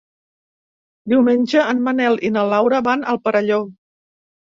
Diumenge en Manel i na Laura van al Perelló.